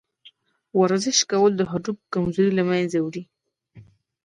ورزش کول د هډوکو کمزوري له منځه وړي.